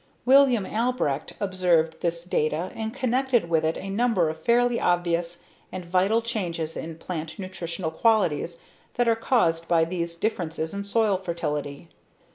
William Albrecht observed this data and connected with it a number of fairly obvious and vital changes in plant nutritional qualities that are caused by these differences in soil fertility.